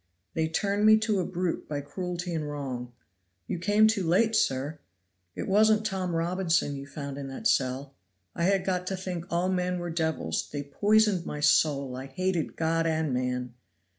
They turned me to a brute by cruelty and wrong. You came too late, sir. It wasn't Tom Robinson you found in that cell. I had got to think all men were devils They poisoned my soul! I hated God and man!